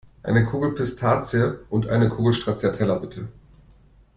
Eine Kugel Pistazie und eine Kugel Stracciatella, bitte!